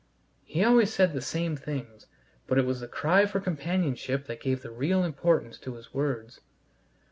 He always said the same things, but it was the cry for companionship that gave the real importance to his words.